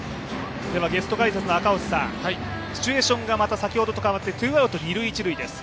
ゲスト解説の赤星さん、シチュエーションがまた違ってツーアウト二塁・一塁です。